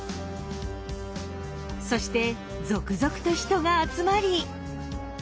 そして続々と人が集まり。